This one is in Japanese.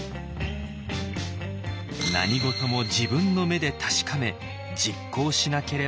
何事も自分の目で確かめ実行しなければ気が済まない。